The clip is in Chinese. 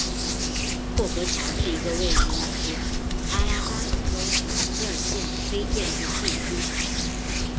霍格乔是一个位于美国阿拉巴马州马歇尔县的非建制地区。